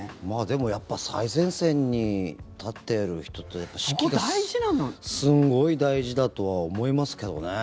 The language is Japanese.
やっぱ最前線に立ってる人って士気がすんごい大事だとは思いますけどね。